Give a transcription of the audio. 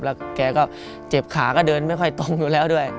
แล้วแกก็เจ็บขาก็เดินไม่ค่อยตรงอยู่แล้วด้วย